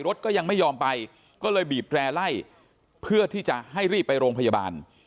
ก็ยังไม่ยอมไปก็เลยบีบแร่ไล่เพื่อที่จะให้รีบไปโรงพยาบาล